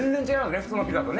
普通のピザとね。